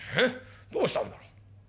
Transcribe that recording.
どうしたんだろう？